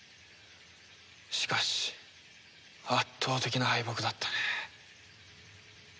しかし圧倒的な敗北だったね。